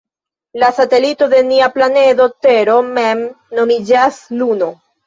La satelito de nia planedo Tero mem nomiĝas Luno.